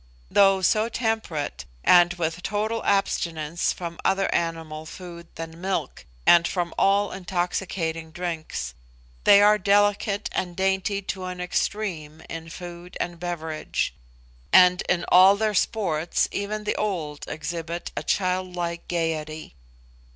Though so temperate, and with total abstinence from other animal food than milk, and from all intoxicating drinks, they are delicate and dainty to an extreme in food and beverage; and in all their sports even the old exhibit a childlike gaiety.